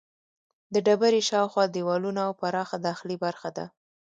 د ډبرې شاوخوا دیوالونه او پراخه داخلي برخه ده.